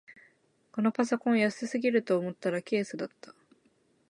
このパソコン安すぎると思ったらケースだった